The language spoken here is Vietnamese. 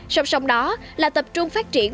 sông sông đó là tập trung phát triển